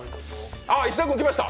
石田君、きました。